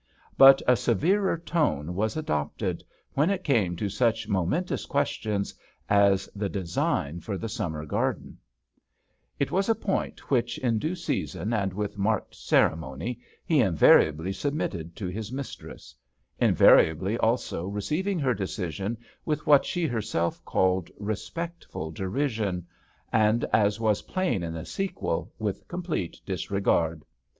But a severer tone was adopted when it came to such momentous questions as the design for the summer garden* 64 OLD THOMAS It was a point which, in due season and with marked ceremony, he invariably submitted to his mistress ; invariably also receiving her decision with what she herself called *^ respectful derision," and, as was plain in the sequel, with complete disregard.